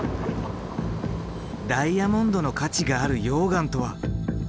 ダイヤモンドの価値がある溶岩とは？